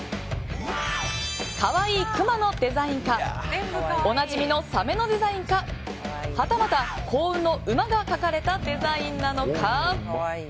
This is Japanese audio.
可愛いクマのデザインかおなじみのサメのデザインかはたまた、幸運の馬が描かれたデザインなのか。